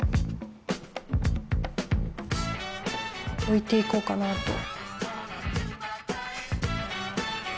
おいていこうかなと。